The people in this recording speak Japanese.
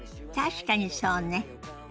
確かにそうね。